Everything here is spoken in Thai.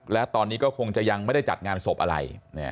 และตอนนี้ก็คงจะยังไม่ได้จัดงานศพอะไร